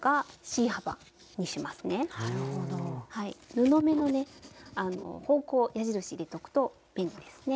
布目のね方向を矢印入れておくと便利ですね。